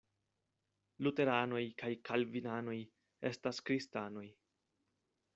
Luteranoj kaj Kalvinanoj estas kristanoj.